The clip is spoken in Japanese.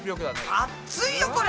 熱いよこれ。